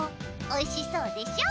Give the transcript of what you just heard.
おいしそうでしょ？